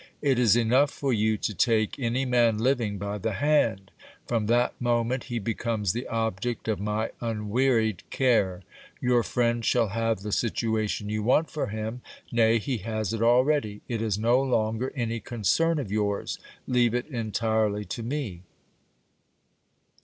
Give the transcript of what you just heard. It is enough for you to take any man living by the hand ; from that mo ment he becomes the object of my unwearied care. Your friend shall have the situation you want for him ; nay, he has it already : it is no longer any concern of yours ; leave it entirely to me.